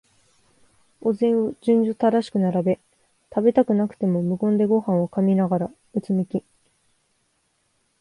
お膳を順序正しく並べ、食べたくなくても無言でごはんを噛みながら、うつむき、